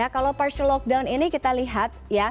kalau partial lockdown ini kita lihat ya